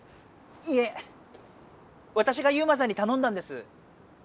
いえわたしがユウマさんにたのんだんです！